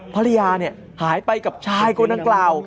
ภรรยาหายไปกับชายคนดังกล่าว